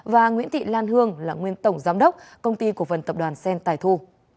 và nguyễn thị lan hương là nguyên tổng giám đốc công ty cổ phần tập đoàn sen tài thu